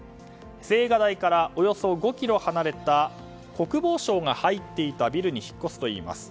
青瓦台からおよそ５ｋｍ離れた国防省が入っていたビルに引っ越すといいます。